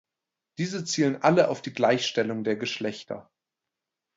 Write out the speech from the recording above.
Diese zielen alle auf die Gleichstellung der Geschlechter.